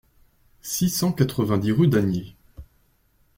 six cent quatre-vingt-dix rue d'Anhiers